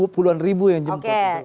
puluhan ribu yang jemput